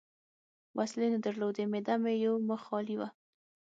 وسلې نه درلودې، معده مې یو مخ خالي وه.